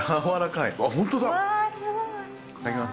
いただきます。